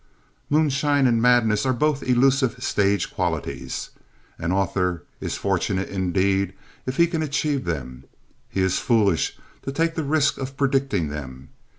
Moonshine and madness are both elusive stage qualities. An author is fortunate indeed if he can achieve them. He is foolish to take the risk of predicting them.